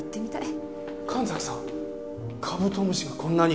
神崎さんカブトムシがこんなに！